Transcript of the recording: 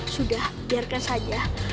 sudah biarkan saja